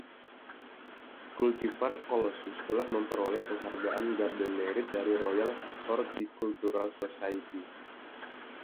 Kultivar 'Colossus' telah memperoleh Penghargaan Garden Merit dari Royal Horticultural Society.